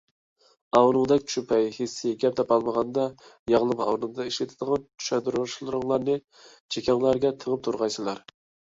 ئاۋۇنىڭدەك چۈپەي، ھېسسىي، گەپ تاپالمىغاندا ياغلىما ئورنىدا ئىشلىتىدىغان چۈشەندۈرۈشلىرىڭلارنى چېكەڭلەرگە تېڭىپ تۇرغايسىلەر.